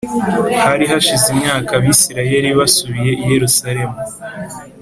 Hari hashize imyaka Abisirayeli basubiye i Yerusalemu